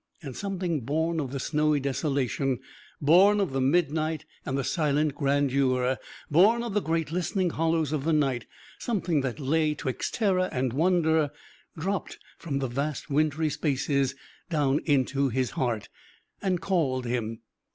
And something born of the snowy desolation, born of the midnight and the silent grandeur, born of the great listening hollows of the night, something that lay 'twixt terror and wonder, dropped from the vast wintry spaces down into his heart and called him.